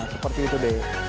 seperti itu deh